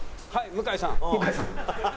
向井さん。